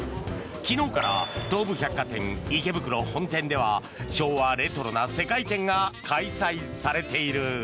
昨日から東武百貨店池袋本店では昭和レトロな世界展が開催されている。